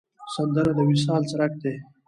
سندره د وصال څرک دی